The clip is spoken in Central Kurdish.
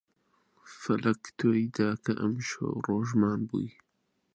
فەلەک تۆی دا کە ئەمشەو ڕۆژمان بووی